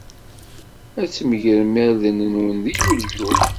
Ad tmegrem irden-nwen deg Yulyu.